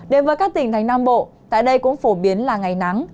đến với các tỉnh thành nam bộ tại đây cũng phổ biến là ngày nắng